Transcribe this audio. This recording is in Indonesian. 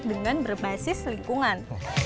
dengan berbasis lingkungan